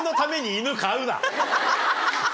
ハハハハ。